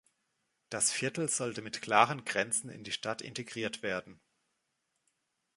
Das Viertel sollte mit klaren Grenzen in die Stadt integriert werden.